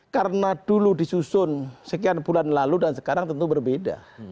karena dulu disusun sekian bulan lalu dan sekarang tentu berbeda